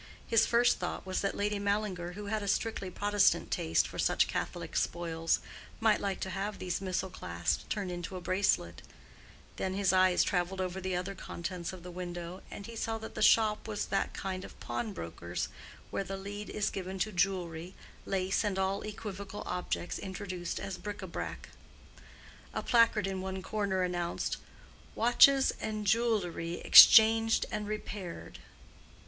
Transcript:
His first thought was that Lady Mallinger, who had a strictly Protestant taste for such Catholic spoils, might like to have these missal clasps turned into a bracelet: then his eyes traveled over the other contents of the window, and he saw that the shop was that kind of pawnbroker's where the lead is given to jewelry, lace and all equivocal objects introduced as bric à brac. A placard in one corner announced—Watches and Jewelry exchanged and repaired.